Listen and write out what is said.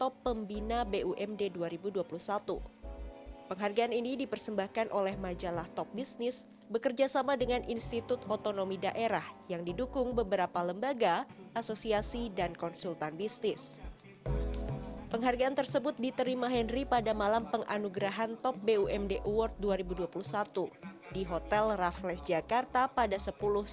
penerima penghargaan dinyatakan telah banyak berinovasi dan juga berkontribusi dalam pembangunan daerah